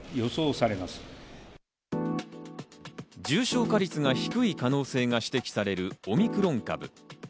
重症化率が低い可能性が指摘されるオミクロン株。